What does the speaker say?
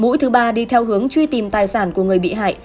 mũi thứ ba đi theo hướng truy tìm tài sản của người bị hại